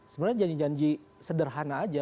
sebenarnya janji janji sederhana aja